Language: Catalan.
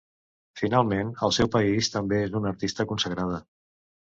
Finalment, al seu país també és una artista consagrada.